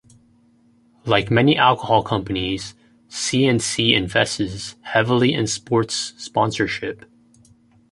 Like many alcohol companies, C and C invests heavily in sports sponsorship.